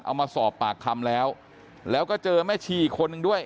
เอามาสอบปากคำแล้วแล้วก็เจอแม่ชีอีกคนนึงด้วย